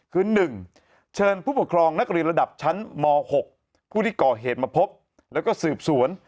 คือ๑เชิญผู้ปกครองนักเรียนระดับชั้นม๖ผู้ที่ก่อเหตุมาพบแล้วก็สืบสวน